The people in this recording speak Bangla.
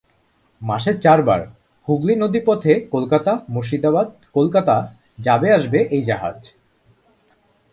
মাসে চারবার হুগলি নদী পথে কলকাতা-মুর্শিদাবাদ-কলকাতা যাবে -আসবে এই জাহাজ।